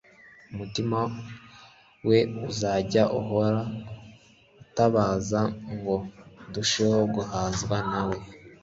Umutima we uzajya uhora vtabaza ngo : "Ndusheho guhazwa na we."